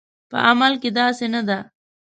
په عمل کې داسې نه ده